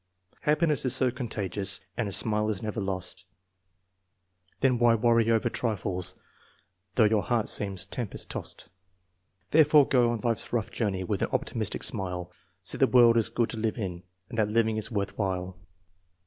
Happiness is so contagious, and a smile is never lost; Then why worry over trifles, though your heart seems tem pest tossed. Therefore go on life's rough journey with an optimistic smile, See the world is good to live in, and that living is worth while.